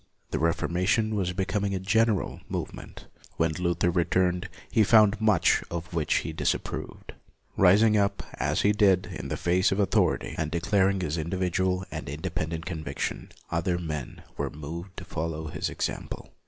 The Reformation was becoming a general movement. When Luther returned, he found much of which he disapproved. Rising up, as he did, in the face of author ity, and declaring his individual and in dependent conviction, other men were moved to follow his example.